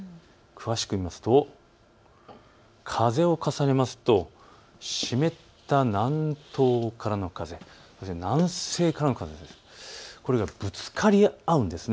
詳しく見ますと風を重ねますと湿った南東からの風、南西からの風、これがぶつかり合うんです。